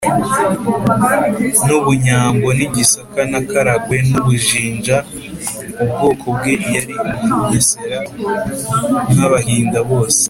n’ubunyambo, n’igisaka, n’a karagwe, n’ubujinja. ubwoko bwe yari umugesera nk’abahinda bose